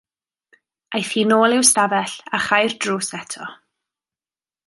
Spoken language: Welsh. Aeth hi nôl i'w stafell a chau'r drws eto.